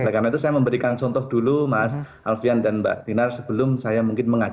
oleh karena itu saya memberikan contoh dulu mas alfian dan mbak dinar sebelum saya menyebutkan ini